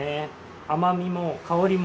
甘みも香りも、